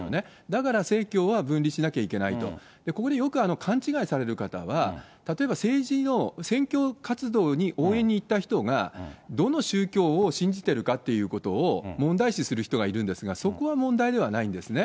だから政教は分離しなきゃいけないとここでよく勘違いされる方は、例えば政治の選挙活動に応援に行った人が、どの宗教を信じてるかということを問題視する人がいるんですが、そこは問題ではないんですね。